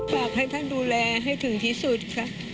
ฝากให้ท่านดูแลให้ถึงที่สุดค่ะ